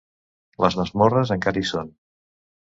Les masmorres encara hi són.